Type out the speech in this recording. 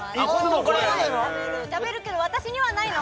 はい食べる食べるけど私にはないの？